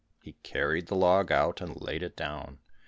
He carried the log out, and laid it down.